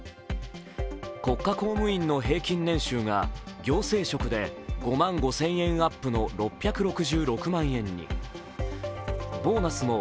国家公務員の平均年収が行政職で５万５０００円アップの６６０万円に。